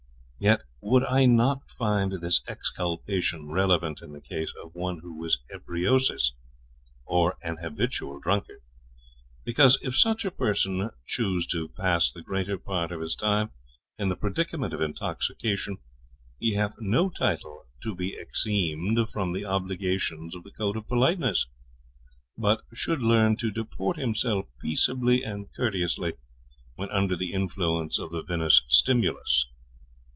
Yet would I not find this exculpation relevant in the case of one who was ebriosus, or an habitual drunkard; because, if such a person choose to pass the greater part of his time in the predicament of intoxication, he hath no title to be exeemed from the obligations of the code of politeness, but should learn to deport himself peaceably and courteously when under influence of the vinous stimulus.